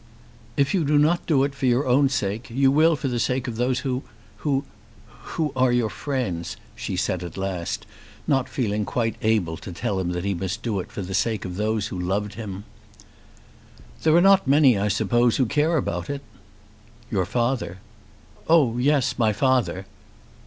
"If you do not do it for your own sake, you will for the sake of those who, who, who are your friends," she said at last, not feeling quite able to tell him that he must do it for the sake of those who loved him. "There are not very many I suppose who care about it." "Your father." "Oh yes, my father."